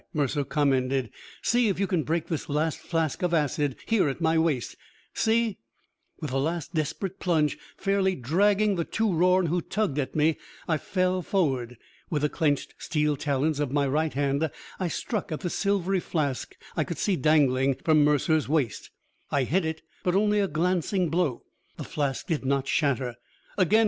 Mercer commended. "See if you can break this last flask of acid, here at my waist. See "With a last desperate plunge, fairly dragging the two Rorn who tugged at me, I fell forward. With the clenched steel talons of my right hand, I struck at the silvery flask I could see dangling from Mercer's waist. I hit it, but only a glancing blow; the flask did not shatter. "Again!"